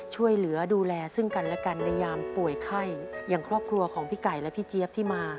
ช่วยเหลือดูแลซึ่งกันและกันในยามป่วยไข้อย่างครอบครัวของพี่ไก่และพี่เจี๊ยบที่มา